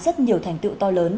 rất nhiều thành tựu to lớn